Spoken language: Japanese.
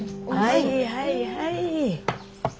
はいはいはい。